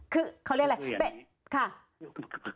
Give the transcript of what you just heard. คือเขาเรียกอะไร